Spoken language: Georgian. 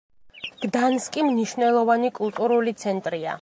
გდანსკი მნიშვნელოვანი კულტურული ცენტრია.